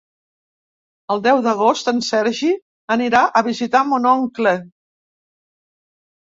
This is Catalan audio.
El deu d'agost en Sergi anirà a visitar mon oncle.